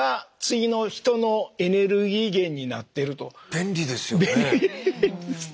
便利ですね。